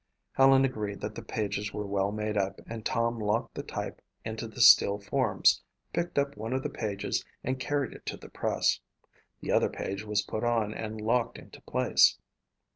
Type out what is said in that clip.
Helen agreed that the pages were well made up and Tom locked the type into the steel forms, picked up one of the pages and carried it to the press. The other page was put on and locked into place.